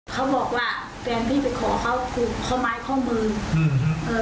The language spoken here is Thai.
เธอบอกว่าแฟนพี่ศิษย์ของเขาคูบข้อม้ายข้อมือ